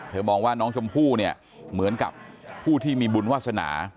มองว่าน้องชมพู่เนี่ยเหมือนกับผู้ที่มีบุญวาสนา